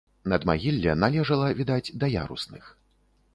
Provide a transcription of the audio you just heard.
Надмагілле належала, відаць, да ярусных.